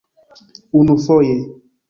unufoje